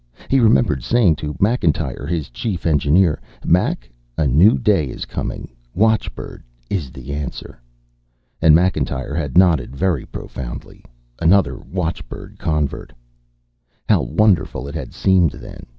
He remembered saying to Macintyre, his chief engineer, "Mac, a new day is coming. Watchbird is the Answer." And Macintyre had nodded very profoundly another watchbird convert. How wonderful it had seemed then!